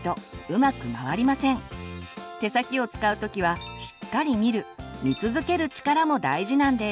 手先を使う時はしっかり見る見続ける力も大事なんです。